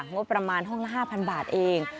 งบประมาณห้องละ๕๐๐บาทเอง